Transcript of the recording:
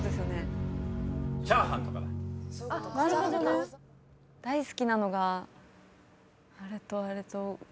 ・なるほどね。大好きなのがあれとあれとぐらい。